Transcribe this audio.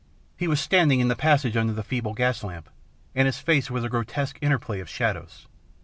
He was standing in the passage under the feeble gas lamp, and his face was a grotesque interplay of shadows.